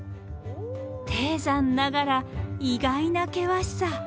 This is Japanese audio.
低山ながら意外な険しさ。